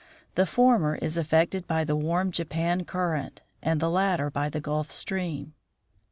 The former is affected by the warm Japan Current and the latter by the Gulf Stream.